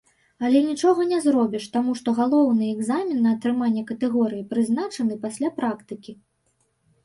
Але нічога не зробіш, таму што галоўны экзамен на атрыманне катэгорыі прызначаны пасля практыкі.